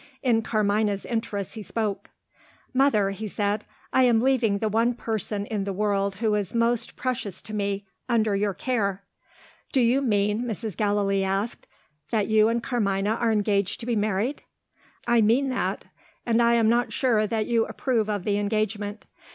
In Carmina's interests he spoke. "Mother," he said, "I am leaving the one person in the world who is most precious to me, under your care." "Do you mean," Mrs. Gallilee asked, "that you and Carmina are engaged to be married?" "I mean that; and I am not sure that you approve of the engagement.